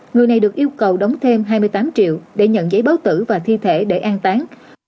người này được yêu cầu đóng thêm hai mươi tám triệu để nhận giấy báo tử và thi thể để an tán